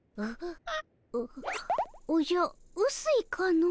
おじゃうすいかの？